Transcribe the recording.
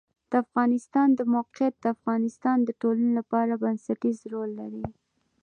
د افغانستان د موقعیت د افغانستان د ټولنې لپاره بنسټيز رول لري.